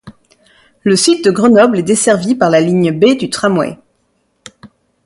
Le site de Grenoble est desservi par la ligne B du tramway.